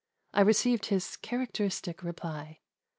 I received his characteristic reply.